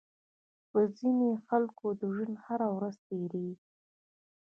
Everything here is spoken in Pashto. په ځينې خلکو د ژوند هره ورځ تېرېږي.